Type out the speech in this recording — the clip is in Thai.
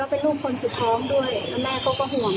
และลูกคนสุท้องด้วยแล้วแม่พวกเขาก็ห่วง